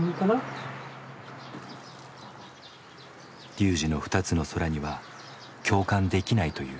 ＲＹＵＪＩの「二つの空」には共感できないという。